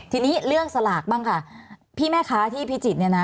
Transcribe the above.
ทีนี้เรื่องสลากบ้างค่ะพี่แม่ค้าที่พิจิตรเนี่ยนะ